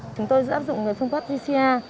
chúng tôi sẽ áp dụng phương pháp gca